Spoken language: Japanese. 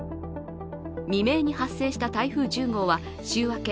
未明に発生した台風１０号は週明け